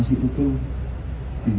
udah bener bener bingung